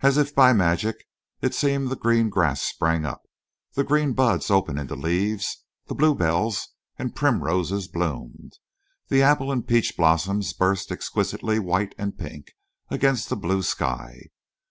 As if by magic it seemed the green grass sprang up, the green buds opened into leaves, the bluebells and primroses bloomed, the apple and peach blossoms burst exquisitely white and pink against the blue sky.